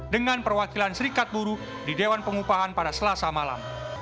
dengan perwakilan serikat buru di dewan pengupahan pada selasa malam